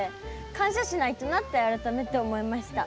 感謝しないとなって改めて思いました。